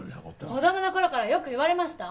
子供の頃からよく言われました。